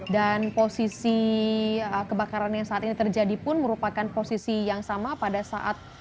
dan posisi kebakaran yang saat ini terjadi pun merupakan posisi yang sama pada saat